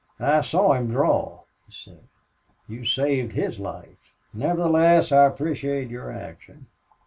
"I saw him draw," he said. "You saved his life!... Nevertheless, I appreciate your action.